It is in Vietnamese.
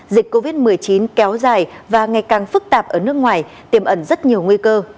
dịch covid một mươi chín kéo dài và ngày càng phức tạp ở nước ngoài tiềm ẩn rất nhiều nguy cơ